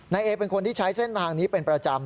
นายเอเป็นคนที่ใช้เส้นทางนี้เป็นประจำ